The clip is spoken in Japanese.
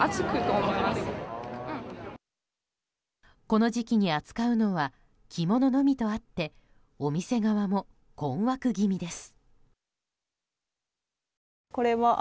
この時期に扱うのは着物のみとあってお店側も困惑気味です。